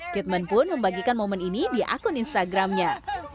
kitman pun membagikan momen ini di akun instagramnya